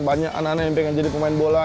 banyak anak anak yang pengen jadi pemain bola